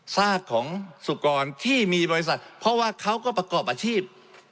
ซากของสุกรที่มีบริษัทเพราะว่าเขาก็ประกอบอาชีพ